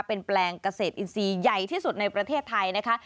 เป็นแปลงเกษตรอินทรีย์ใหญ่ที่สุดในประเทศไทยนะคะ